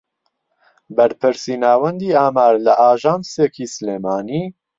بەرپرسی ناوەندی ئامار لە ئاژانسێکی سلێمانی